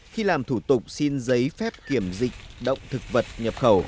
khi làm thủ tục xin giấy phép kiểm dịch động thực vật nhập khẩu